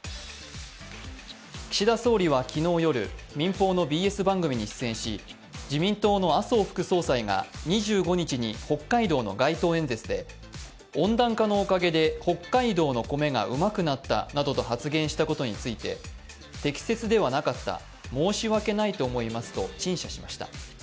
岸田総理は昨日夜、民放のＢＳ番組に出演し自民党の麻生副総裁が２５日に北海道の街頭演説で温暖化のおかげで北海道の米がうまくなったなどと発言したことについて適切ではなかった、申し訳ないと思いますと陳謝しました。